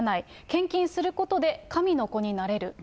献金することで、神の子になれる。